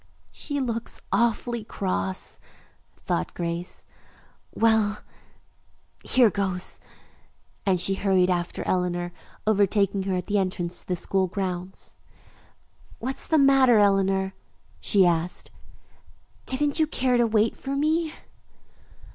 "She looks awfully cross," thought Grace. "Well, here goes," and she hurried after Eleanor, overtaking her at the entrance to the school grounds. "What's the matter, Eleanor?" she asked. "Didn't you care to wait for me?"